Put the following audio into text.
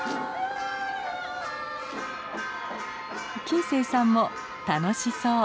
金星さんも楽しそう。